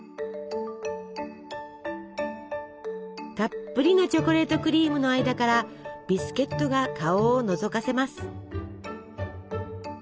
たっぷりのチョコレートクリームの間からビスケットが顔をのぞかせます。